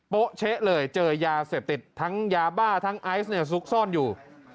โป๊เช๊ะเลยเจอยาเสพติดทั้งยาบ้าทั้งไอซ์เนี่ยซุกซ่อนอยู่